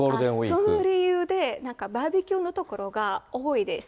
その理由で、バーベキューの所が多いです。